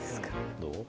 どう？